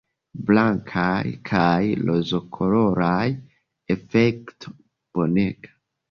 Blankaj kaj rozokoloraj, efekto bonega!